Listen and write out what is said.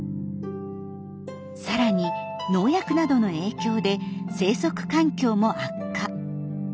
さらに農薬などの影響で生息環境も悪化。